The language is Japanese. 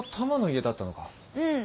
うん。